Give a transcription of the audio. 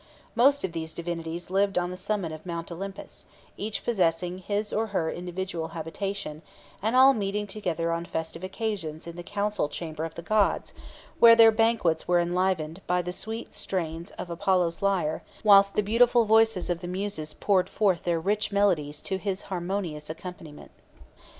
Most of these divinities lived on the summit of Mount Olympus, each possessing his or her individual habitation, and all meeting together on festive occasions in the council chamber of the gods, where their banquets were enlivened by the sweet strains of Apollo's lyre, whilst the beautiful voices of the Muses poured forth their rich melodies to his harmonious accompaniment.